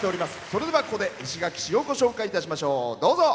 それではここで石垣市をご紹介しましょう。